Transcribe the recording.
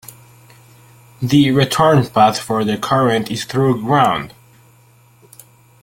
The return path for the current is through ground.